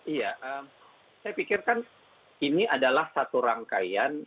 iya saya pikirkan ini adalah satu rangkaian